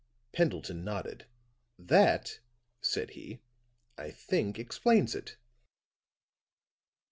Pendleton nodded. "That," said he, "I think explains it."